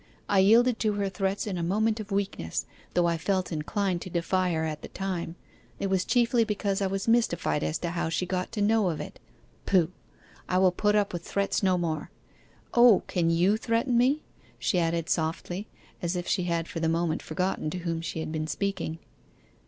I yielded to her threats in a moment of weakness, though I felt inclined to defy her at the time: it was chiefly because I was mystified as to how she got to know of it. Pooh! I will put up with threats no more. O, can you threaten me?' she added softly, as if she had for the moment forgotten to whom she had been speaking.